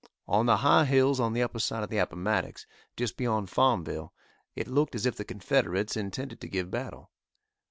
On the high hills on the upper side of the Appomattox, just beyond Farmville, it looked as if the Confederates intended to give battle.